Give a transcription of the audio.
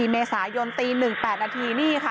๔เมษายนตี๑๘นาทีนี่ค่ะ